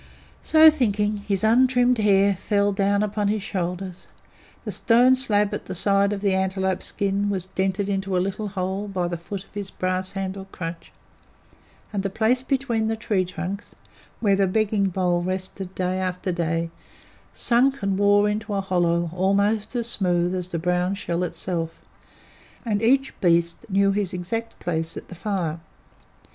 So thinking, his untrimmed hair fell down about his shoulders, the stone slab at the side of the antelope skin was dented into a little hole by the foot of his brass handled crutch, and the place between the tree trunks, where the begging bowl rested day after day, sunk and wore into a hollow almost as smooth as the brown shell itself; and each beast knew his exact place at the fire.